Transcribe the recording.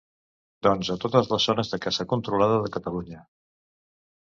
Doncs a totes les zones de caça controlada de Catalunya.